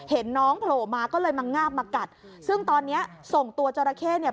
เห็นน้องโผล่มาก็เลยมางาบมากัดซึ่งตอนเนี้ยส่งตัวจราเข้เนี่ย